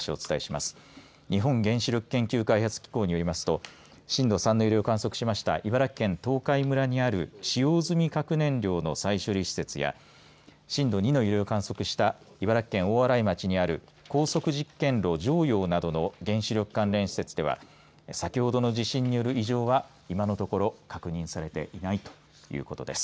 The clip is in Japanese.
日本原子力研究開発機構によりますと同じく、この東海村にある使用済み核燃料の再処理施設や震度２の揺れを観測した茨城県大洗町にある高速実験炉常陽などの原子力関連施設では先ほどの地震による異常は今のところ、確認されていないということです。